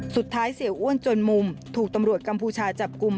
เสียอ้วนจนมุมถูกตำรวจกัมพูชาจับกลุ่ม